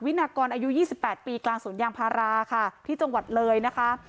นากรอายุ๒๘ปีกลางสวนยางพาราค่ะที่จังหวัดเลยนะคะ